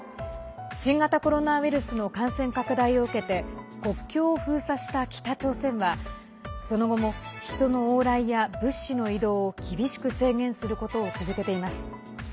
新型コロナウイルスの感染拡大を受けて国境を封鎖した北朝鮮はその後も人の往来や物資の移動を厳しく制限することを続けています。